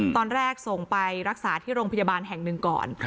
ตอนแรกส่งไปรักษาที่โรงพยาบาลแห่งหนึ่งก่อน